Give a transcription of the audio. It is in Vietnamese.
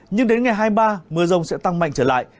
nhưng đến ngày hai mươi ba mưa rông sẽ tăng mạnh trở lại